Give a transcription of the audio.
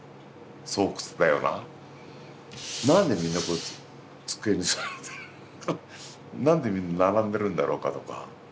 何でみんな机に座ってる何でみんな並んでるんだろうかとか。